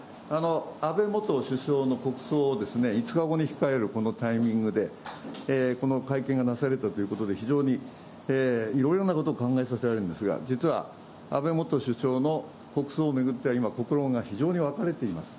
安倍元首相の国葬を５日後に控えるこのタイミングで、この会見がなされたということで、非常にいろいろなことを考えさせられるんですが、実は安倍元首相の国葬を巡っては今、国論が非常に分かれています。